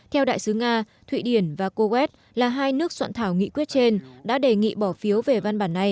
theo đại sứ nga thụy điển và kuwait là hai nước soạn thảo nghị quyết trên đã đề nghị bỏ phiếu về văn bản này